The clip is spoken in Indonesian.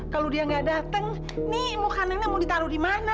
kalau dia nggak dateng nih muka nenek mau ditaruh di mana